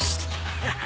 ハハハ。